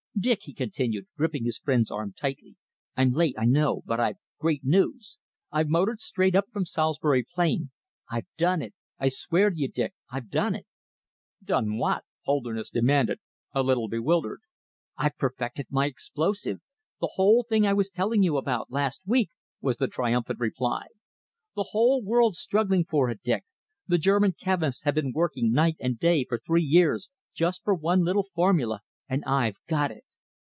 "Dick," he continued, gripping his friend's arm tightly, "I'm late, I know, but I've great news. I've motored straight up from Salisbury Plain. I've done it! I swear to you, Dick, I've done it!" "Done what?" Holderness demanded, a little bewildered. "I've perfected my explosive the thing I was telling you about last week," was the triumphant reply. "The whole world's struggling for it, Dick. The German chemists have been working night and day for three years, just for one little formula, and I've got it!